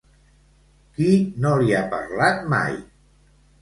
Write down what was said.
Qui no li ha parlat mai?